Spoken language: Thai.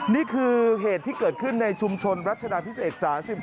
นี่คือเหตุที่เกิดขึ้นในชุมชนรัชดาพิเศษ๓๔